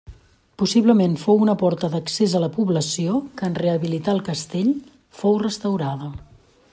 Possiblement fou una porta d'accés a la població que en rehabilitar el castell, fou restaurada.